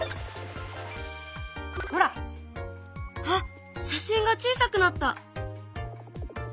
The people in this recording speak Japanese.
あっ写真が小さくなった。